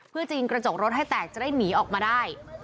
เพื่อจิงกระจกรถให้แตกจะได้หนีออกมาได้